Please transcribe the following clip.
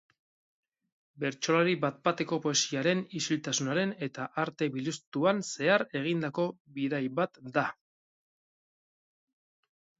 Bertsolari bat-bateko poesiaren, isiltasunaren eta arte biluztuan zehar egindako bidai bat da.